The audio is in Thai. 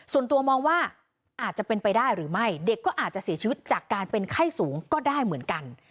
ส่วนตัวมองว่าอาจจะเป็นไปได้หรือไม่เด็กก็อาจจะเสียชีวิตจากการเป็นไข้สูงก็ได้เหมือนกัน